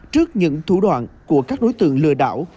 trước những thủ đoạn của các đối tượng lừa đảo